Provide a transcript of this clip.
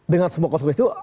dengan semua konsekuensi itu